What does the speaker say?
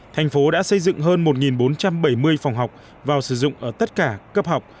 thành phố đã xây dựng hơn một bốn trăm bảy mươi phòng học vào sử dụng ở tất cả cấp học